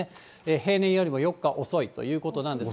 平年よりも４日遅いということなんですが。